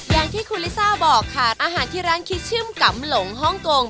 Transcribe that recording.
อย่างที่คุณลิซ่าบอกค่ะอาหารที่ร้านคิชชิมกำหลงฮ่องกง